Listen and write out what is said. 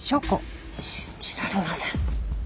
信じられません。